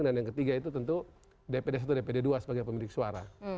dan yang ketiga itu tentu dpd i dpd ii sebagai pemilik suara